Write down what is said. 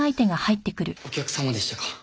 お客様でしたか。